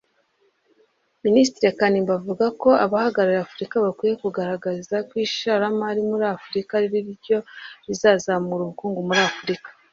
Minisitiri Kanimba avuga ko abahagarariye Afurika bakwiye kuzagaragaza ko ishiramari muri Afurika ariryo rizazamura ubukungu muri Afurika